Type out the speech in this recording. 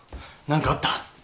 何かあった？